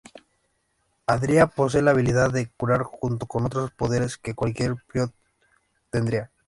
Adria posee la habilidad de curar junto con otros poderes que cualquier Prior tendría.